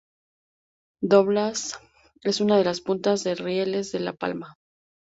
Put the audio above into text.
Doblas es una de las puntas de rieles de La Pampa.